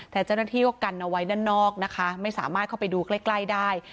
แต่เจ้าหน้าที่ก็กันเอาไว้ด้านนอกนะคะไม่สามารถเข้าไปดูใกล้ใกล้ได้